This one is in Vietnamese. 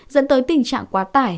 dẫn tới tình trạng quá tải